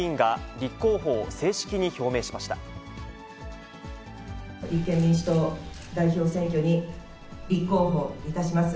立憲民主党代表選挙に、立候補いたします。